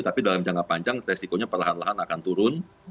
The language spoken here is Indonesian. tapi dalam jangka panjang resikonya perlahan lahan akan turun